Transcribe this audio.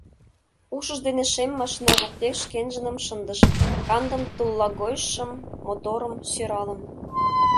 Ушыж дене шем машина воктек шкенжыным шындыш: кандым-туллагойшым, моторым-сӧралым...